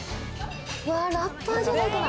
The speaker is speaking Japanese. ラッパーじゃないかな？